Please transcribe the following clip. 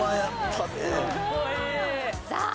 さあ